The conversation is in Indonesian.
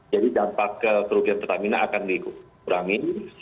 jadi dampak kerugian pertamina akan dikurangi